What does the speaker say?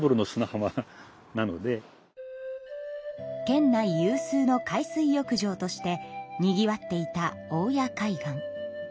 県内有数の海水浴場としてにぎわっていた大谷海岸。